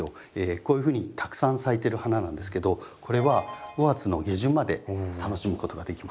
こういうふうにたくさん咲いてる花なんですけどこれは５月の下旬まで楽しむことができます。